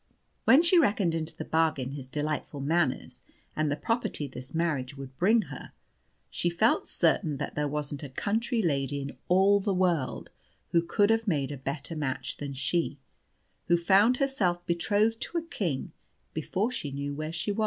When she reckoned into the bargain his delightful manners, and the property this marriage would bring her, she felt certain that there wasn't a country lady in all the world who could have made a better match than she, who found herself betrothed to a king before she knew where she was.